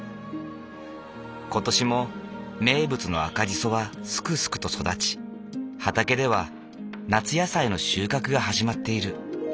今年も名物の赤じそはすくすくと育ち畑では夏野菜の収穫が始まっている。